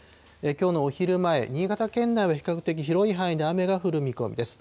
きょうのお昼前、新潟県内は比較的、広い範囲で雨が降る見込みです。